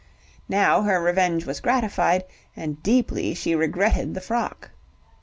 Now her revenge was gratified, and deeply she regretted the frock.